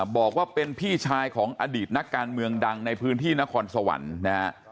บอกว่าเป็นพี่ชายของอดีตนักการเมืองดังในพื้นที่นครสวรรค์นะฮะ